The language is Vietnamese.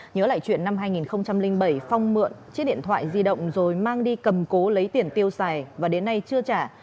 nhớ lại chuyện năm hai nghìn bảy phong mượn chiếc điện thoại di động rồi mang đi cầm cố lấy tiền tiêu xài và đến nay chưa trả